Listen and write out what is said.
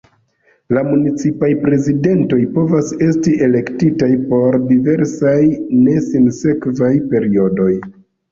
La municipaj prezidentoj povas esti elektitaj por diversaj ne sinsekvaj periodoj.